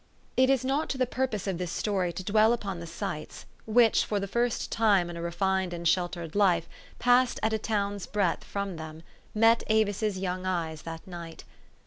It is not to the purpose of this story to dwell upon the sights, which, for the first time in a refined and sheltered life, passed at a town's breadth from them, met Avis's young eyes that night.